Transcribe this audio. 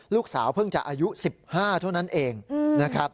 ลูกสาวเพิ่งจะอายุ๑๕เท่านั้นเองนะครับ